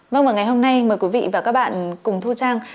vâng ngày hôm nay mời quý vị và các bạn cùng thu trang